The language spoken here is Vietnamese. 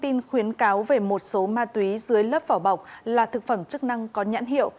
thông tin khuyến cáo về một số ma túy dưới lớp vỏ bọc là thực phẩm chức năng có nhãn hiệu